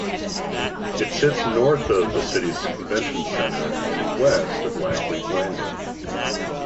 It sits north of the city's convention center and west of Laclede's Landing.